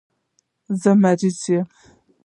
زه مریض یم